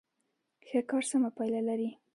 ښه کار سمه پایله لري.